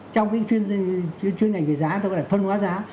trong chuyên ngành về giá